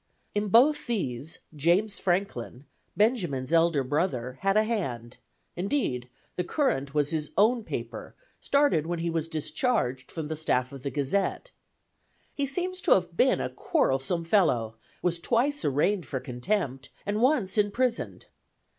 In both these, James Franklin, Benjamin's elder brother, had a hand; indeed, the Courant was his own paper, started when he was discharged from the staff of the Gazette. He seems to have been a quarrelsome fellow, was twice arraigned for contempt, and once imprisoned.